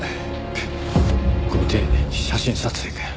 ケッご丁寧に写真撮影かよ。